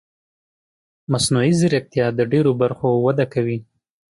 مصنوعي ځیرکتیا د ډېرو برخو وده کوي.